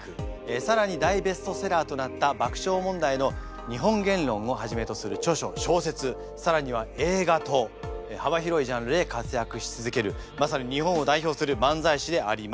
更に大ベストセラーとなった「爆笑問題の日本原論」をはじめとする著書小説更には映画と幅広いジャンルで活躍し続けるまさに日本を代表する漫才師であります。